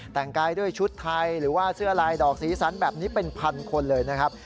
แต่งกายด้วยชุดไทยหรือว่าเสื้อลายดอกสีสันแบบนี้เป็นพันคนเลยนะครับ